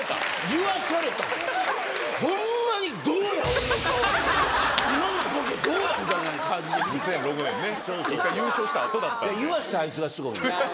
言わしたあいつがすごい。